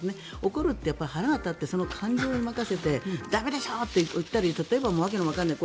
怒るって腹が立ってその感情に任せて駄目でしょ！って言ったり訳のわからない